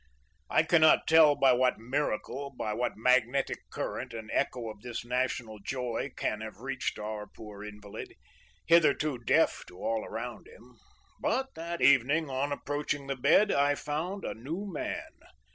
"I cannot tell by what miracle, by what magnetic current, an echo of this national joy can have reached our poor invalid, hitherto deaf to all around him; but that evening, on approaching the bed, I found a new man.